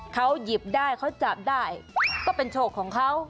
เขาหยิบได้เขาจับได้ก็เป็นโชคของเขา